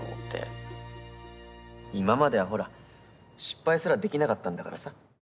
今まではほら失敗すらできなかったんだからさ。